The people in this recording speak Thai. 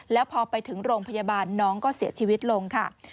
แล้วพอไปถึงโรงพยาบาลน้องก็เสียชีวิตลงค่ะ